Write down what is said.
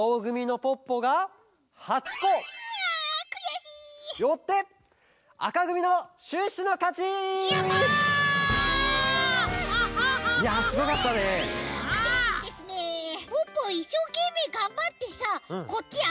ポッポいっしょうけんめいがんばってさこっちあ